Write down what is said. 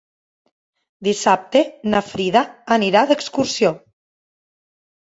Dissabte na Frida anirà d'excursió.